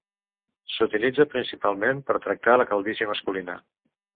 S'utilitza principalment per tractar la calvície masculina.